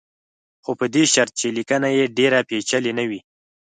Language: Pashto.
خو په دې شرط چې لیکنه یې ډېره پېچلې نه وي.